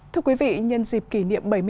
thưa quý vị nhân dịp kỷ niệm bảy mươi năm